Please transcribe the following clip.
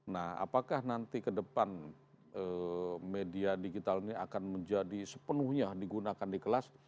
nah apakah nanti ke depan media digital ini akan menjadi sepenuhnya digunakan di kelas